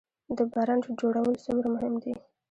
د برنډ جوړول څومره مهم دي؟